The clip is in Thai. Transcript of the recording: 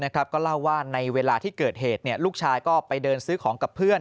ก็เล่าว่าในเวลาที่เกิดเหตุลูกชายก็ไปเดินซื้อของกับเพื่อน